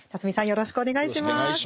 さんよろしくお願いします。